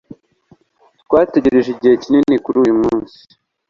Twategereje igihe kinini kuri uyumunsi.